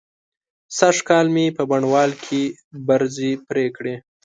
سږکال مې په بڼوال کې برځې پرې کړې.